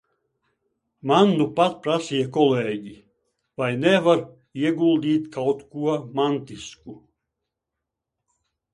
Man nupat prasīja kolēģi, vai nevar ieguldīt kaut ko mantisku.